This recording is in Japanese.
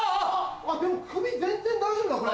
でも首全然大丈夫だこれ。